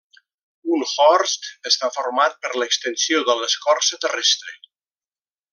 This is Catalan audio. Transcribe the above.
Un horst està format per l'extensió de l'escorça terrestre.